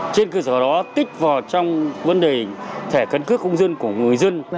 trên cơ sở đó tích vào trong vấn đề thẻ căn cước công dân của người dân